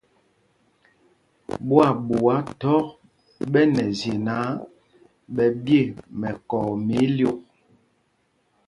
Ɓwaaɓuá thɔk ɓɛ nɛ zye náǎ, ɓɛ ɓye mɛkɔɔ mɛ ílyûk.